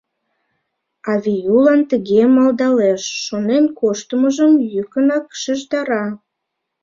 А Веюлан тыге малдалеш, шонен коштмыжым йӱкынак шижтара: